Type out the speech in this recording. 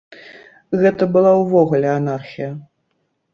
Гэта была ўвогуле анархія.